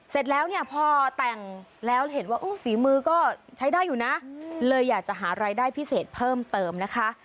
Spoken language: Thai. เสร็จแล้วเนี่ยพอแต่งแล้วเห็นว่าฝีมือก็ใช้ได้อยู่นะเลยอยากจะหารายได้พิเศษเพิ่มเติมนะคะ